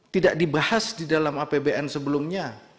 tidak dibahas di dalam apbn sebelumnya